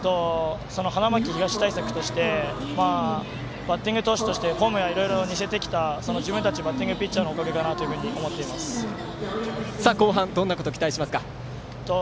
花巻東対策としてバッティング投手としてフォームをいろいろ似せてきた自分たちバッティングピッチャーの後半、どんなこと期待しますか。